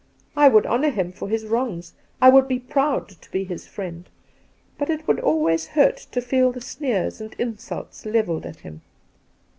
I would honour him for his wrongs. I would be proud to be his friend. But it would always hurt to feel the sneers and insults levelled at him.